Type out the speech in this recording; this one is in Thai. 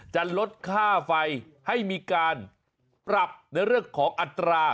จะลดค่าไฟให้มีการปรับในเรื่องของอัตรา